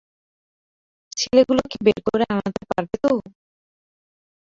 ছেলেগুলোকে বের করে আনতে পারবে তো?